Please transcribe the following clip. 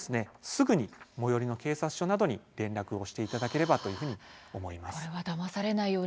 すぐに最寄りの警察署などに連絡をしていただければというふうに思います。